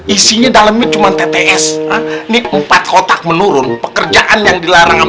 isinya dalamnya cuma tts ini empat kotak menurun pekerjaan yang dilarang